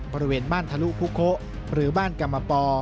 บริเวณบ้านทะลุพุโคหรือบ้านกรรมปอ